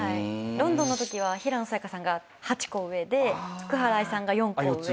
ロンドンのときは平野早矢香さんが８個上で福原愛さんが４個上で。